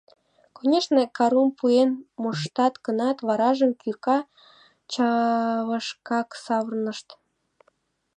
Конешне, карум пуэн моштат гынат, варажым кӱрка чывышкак савырнышт.